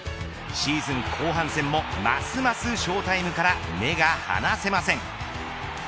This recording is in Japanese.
シーズン後半戦もますますショータイムから目が離せません。